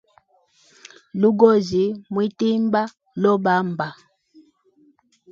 Lugozi mwitimba lobamba.